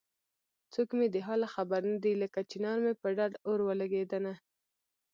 څوک مې د حاله خبر نه دی لکه چنار مې په ډډ اور ولګېدنه